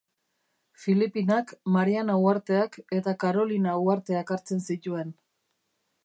Filipinak, Mariana Uharteak eta Karolina uharteak hartzen zituen.